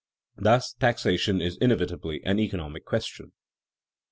Thus taxation is inevitably an economic question.